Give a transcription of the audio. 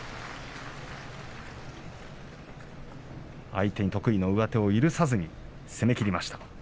相手に得意の上手を許さずに攻めきりました。